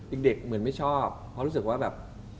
เด็กเหมือนไม่ชอบเพราะรู้สึกว่าแบบ